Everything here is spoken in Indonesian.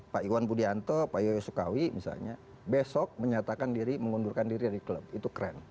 pak iwan budianto pak yoyo sukawi misalnya besok menyatakan diri mengundurkan diri dari klub itu keren